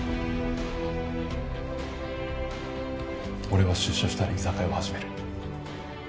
俺は出所したら居酒屋を始める。